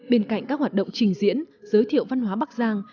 bên cạnh các hoạt động trình diễn giới thiệu văn hóa bắc giang